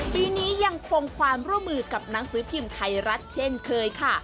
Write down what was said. ปีนี้ยังคงความร่วมมือกับหนังสือพิมพ์ไทยรัฐเช่นเคยค่ะ